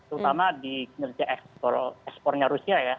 terutama di kinerja ekspornya rusia ya